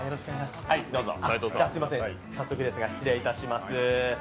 早速ですが失礼いたします。